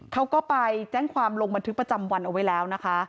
เขาก็ไปแจ้งความลงบันทึกประจำวันเอาไว้แล้วนะคะ